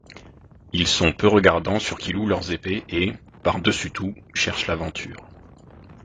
Ils sont peu regardants sur qui loue leurs épées et, par-dessus tout, cherchent l’aventure.